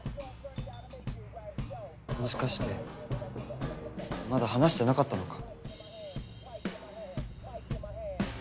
もしかしてまだ話してなかったのか？